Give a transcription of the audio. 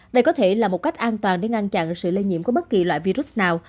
đây có thể là một cách an toàn để ngăn chặn sự lây nhiễm của bất kỳ loại virus nào